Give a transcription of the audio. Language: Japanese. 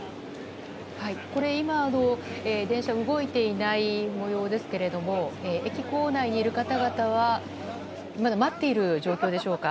今、電車が動いていない模様ですが駅構内にいる方々は待っている状況でしょうか。